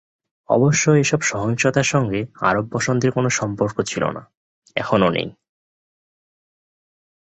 অবশ্য এসব সহিংসতার সঙ্গে আরব বসন্তের কোনো সম্পর্ক ছিল না, এখনো নেই।